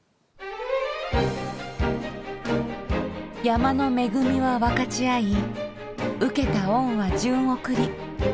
山の恵みは分かち合い受けた恩は順送り。